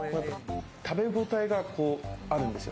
食べごたえがあるんですよ。